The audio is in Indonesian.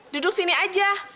duduk sini aja